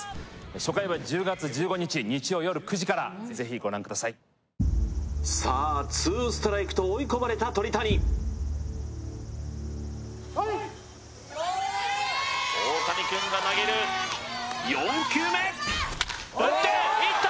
初回は１０月１５日日曜夜９時からぜひご覧くださいさあツーストライクと追い込まれた鳥谷プレイオオタニくんが投げる４球目打っていった！